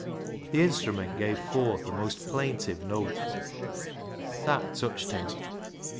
The instrument gave forth a most plaintive note. That touched him.